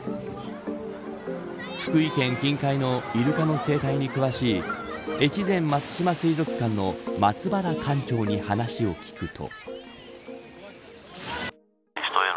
福井県近海のイルカの生態に詳しい越前松島水族館の松原館長に話を聞くと。